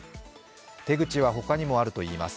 手口は他にもあるといいます。